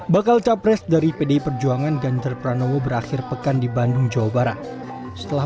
bakal capres dari pdi perjuangan ganjar pranowo berakhir pekan di bandung jawa barat setelah